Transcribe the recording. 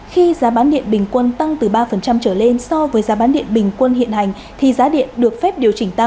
khi giá bán điện bình quân tăng từ ba trở lên so với giá bán điện bình quân hiện hành thì giá điện được phép điều chỉnh